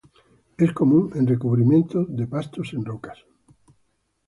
Es común en recubrimientos de pastos en rocas.